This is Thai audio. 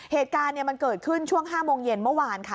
เหตุการณ์มันเกิดขึ้นช่วง๕โมงเย็นเมื่อวานค่ะ